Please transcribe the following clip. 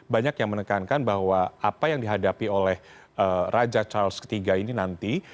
banyak yang menekankan bahwa apa yang dihadapi oleh raja charles iii ini nanti